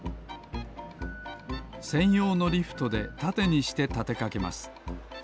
せんようのリフトでたてにしてたてかけます。